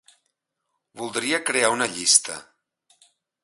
Voldria crear una llista.